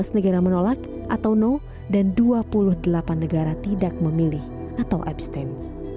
lima belas negara menolak atau no dan dua puluh delapan negara tidak memilih atau abstain